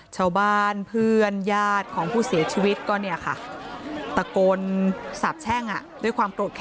ชาวบ้านเพื่อนยาตีของผู้เสียชีวิตสาบแช่งะ